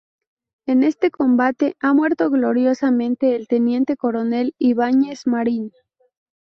En este combate ha muerto gloriosamente el teniente coronel Ibáñez Marín.